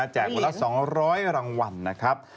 แจกหมดละ๒๐๐รางวัลนะครับ